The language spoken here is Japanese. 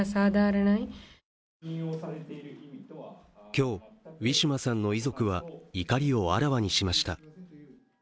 今日、ウィシュマさんの遺族は怒りをあらわにしました。